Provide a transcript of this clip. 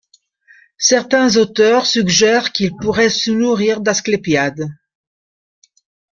Certains auteurs suggèrent qu’il pourrait se nourrir d'asclépiades.